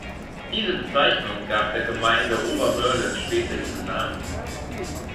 Diese Bezeichnung gab der Gemeinde Ober-Mörlen später ihren Namen.